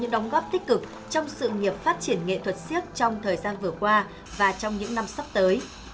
đóng góp tích cực trong sự nghiệp phát triển nghệ thuật siếc trong thời gian vừa qua và trong những năm sắp tới